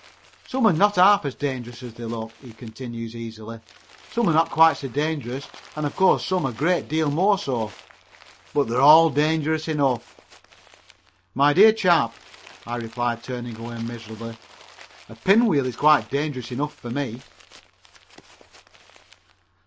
Some are not half as dangerous as they look," he continues easily, "some are not quite so dangerous and of course some are a great deal more so. But they are all dangerous enough." "My dear chap," I replied, turning away miserably, "a pinwheel is quite dangerous enough for me."